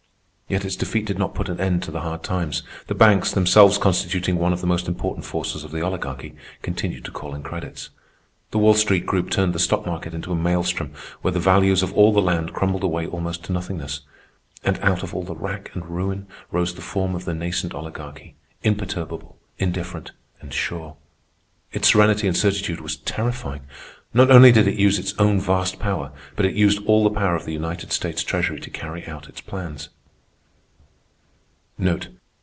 Yet its defeat did not put an end to the hard times. The banks, themselves constituting one of the most important forces of the Oligarchy, continued to call in credits. The Wall Street group turned the stock market into a maelstrom where the values of all the land crumbled away almost to nothingness. And out of all the rack and ruin rose the form of the nascent Oligarchy, imperturbable, indifferent, and sure. Its serenity and certitude was terrifying. Not only did it use its own vast power, but it used all the power of the United States Treasury to carry out its plans.